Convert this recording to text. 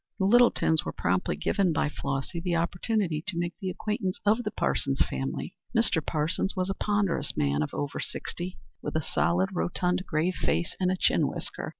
The Littletons were promptly given by Flossy the opportunity to make the acquaintance of the Parsons family. Mr. Parsons was a ponderous man of over sixty, with a solid, rotund, grave face and a chin whisker.